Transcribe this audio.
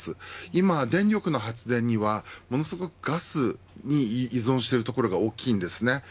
今、電力の発電にはものすごくガスに依存しているところが大きいんですね。